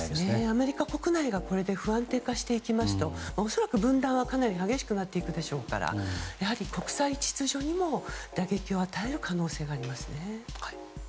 アメリカ国内がこれで不安定化していきますと恐らく分断は、かなり激しくなっていくでしょうから国際秩序にも打撃を与える可能性がありますね。